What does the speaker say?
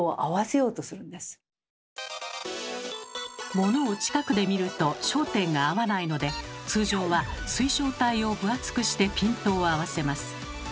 モノを近くで見ると焦点が合わないので通常は水晶体を分厚くしてピントを合わせます。